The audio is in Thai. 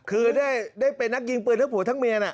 คือได้เป็นนักยิงปืนทั้งผัวทั้งเมียน่ะ